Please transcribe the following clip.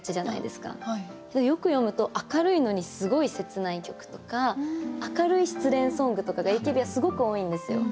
よく読むと明るいのにすごい切ない曲とか明るい失恋ソングとかがＡＫＢはすごく多いんですよ。